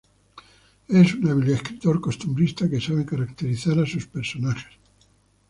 Es un hábil escritor costumbrista que sabe caracterizar a sus personajes.